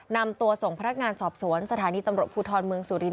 นำตัวส่งพนักงานสอบสวนสถานีตำรวจภูทรเมืองสุรินท